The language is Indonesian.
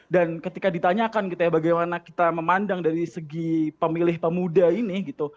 dan ketika ditanyakan gitu ya bagaimana kita memandang dari segi pemilih pemuda ini gitu